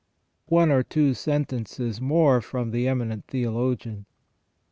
* One or two sentences more from the eminent Theologian.